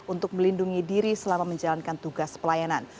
untuk melindungi diri selama menjalankan tugas pelayanan